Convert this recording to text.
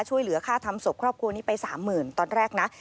ช่วยเหลือค่าทำศพครอบครัวนี้ไป๓๐๐๐ตอนแรกนะ